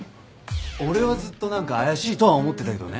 俺はずっと何か怪しいとは思ってたけどね。